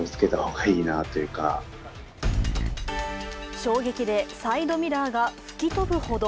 衝撃でサイドミラーが吹き飛ぶほど。